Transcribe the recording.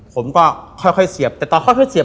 ผมก็ค่อยเสียบแต่ตอนค่อยเสียบ